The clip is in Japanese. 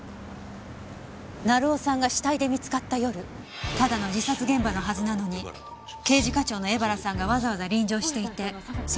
成尾さんが死体で見つかった夜ただの自殺現場のはずなのに刑事課長の江原さんがわざわざ臨場していてそして。